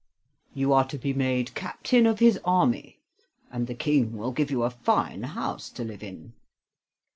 You are to be made captain of his army, and the King will give you a fine house to live in."